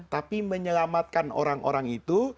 tapi menyelamatkan orang orang itu